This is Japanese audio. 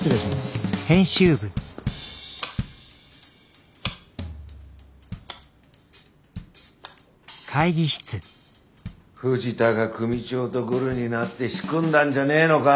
藤田が組長とグルになって仕組んだんじゃねえのか？